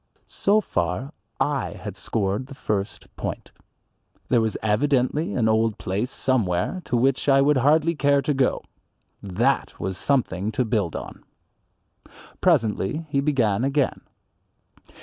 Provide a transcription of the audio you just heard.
So far I had scored the first point. There was evidently an old place somewhere to which I would hardly care to go. That was something to build on. Presently he began again.